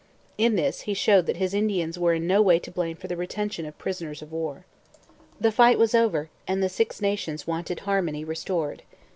In this he showed that his Indians were in no way to blame for the retention of prisoners of war. The fight was over, and the Six Nations wanted harmony restored.